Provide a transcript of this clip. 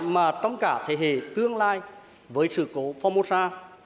mà trong cả thế hệ tương lai với sự cố phong mô sa